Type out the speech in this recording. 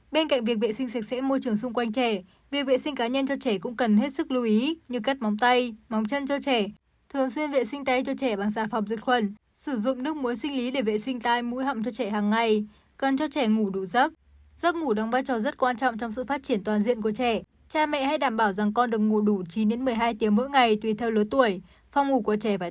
bên cạnh việc vệ sinh sạch sẽ môi trường xung quanh trẻ việc vệ sinh cá nhân cho trẻ cũng cần hết sức lưu ý như cắt móng tay móng chân cho trẻ